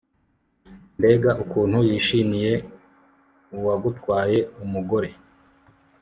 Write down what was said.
mbega ukuntu yishimiye uwagutwaye umugore